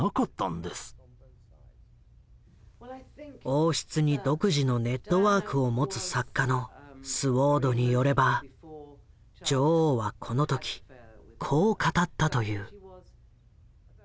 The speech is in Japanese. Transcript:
王室に独自のネットワークを持つ作家のスウォードによれば女王はこの時こう語ったという。